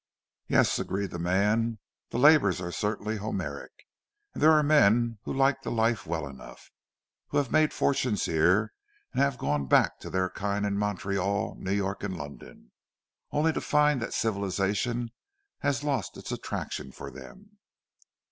"Yes," agreed the man, "the labours are certainly Homeric, and there are men who like the life well enough, who have made fortunes here and have gone back to their kind in Montreal, New York, London, only to find that civilization has lost its attraction for them."